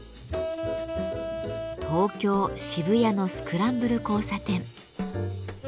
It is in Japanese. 東京・渋谷のスクランブル交差点。